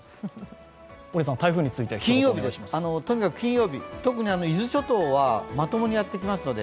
台風はとにかく金曜日、伊豆諸島はまともにやってきますので、